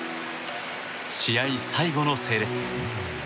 試合最後の整列。